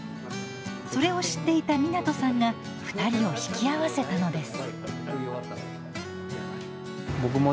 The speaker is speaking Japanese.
それを知っていた湊さんが２人を引き合わせたのです。